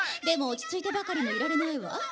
でもおちついてばかりもいられないわ。